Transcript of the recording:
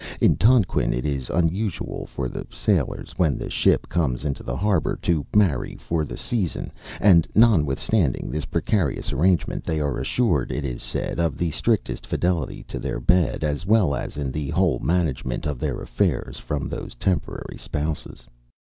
In Tonquin, it is usual for the sailors, when the ship comes into the harbor, to marry for the season; and, notwithstanding this precarious engagement, they are assured, it is said, of the strictest fidelity to their bed, as well as in the whole management of their affairs, from those temporary spouses.